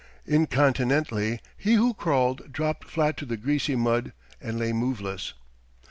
Incontinently he who crawled dropped flat to the greasy mud and lay moveless.